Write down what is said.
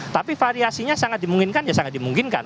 tapi variasinya sangat dimungkinkan ya sangat dimungkinkan